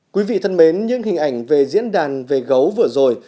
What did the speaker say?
quý vị thân mến những hình ảnh về diễn đàn về gấu vừa rồi